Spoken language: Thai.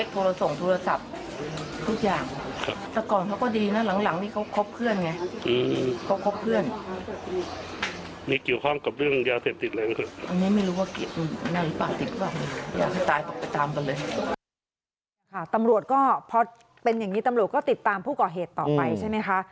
ตำรวจก็พอเป็นอย่างนี้ตำรวจก็ติดตามผู้ก่อเหตุต่อไปใช่ไหมคะ